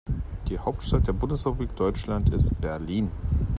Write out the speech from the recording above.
Die Hauptstadt der Bundesrepublik Deutschland ist Berlin